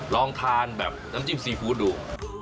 ลองทานแบบน้ำจิ้มซีฟู้ดดู